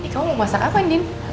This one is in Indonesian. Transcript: kamu mau masak apa indin